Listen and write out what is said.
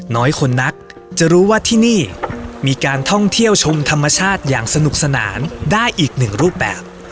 น้อยคนนักจะรู้ว่าที่นี่มีการท่องเที่ยวชมธรรมชาติอย่างสนุกสนานได้อีกหนึ่งรูปแบบ